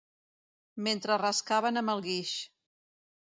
Mentre rascaven amb el guix